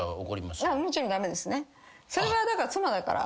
それは妻だから。